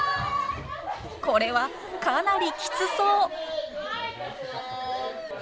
これはかなりきつそう！